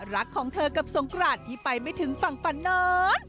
รักของเธอกับสงกราศที่ไปไม่ถึงฝั่งฝันนอน